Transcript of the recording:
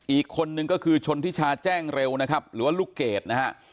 อีกคนนึงก็คือชนทิชาแจ้งเร็วนะครับหรือว่าลูกเกดนะฮะ